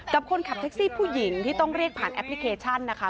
กับคนขับแท็กซี่ผู้หญิงที่ต้องเรียกผ่านแอปพลิเคชันนะคะ